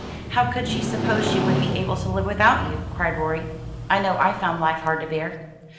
"How could she suppose she would be able to live without you!" cried Rorie. "I know I found life hard to bear."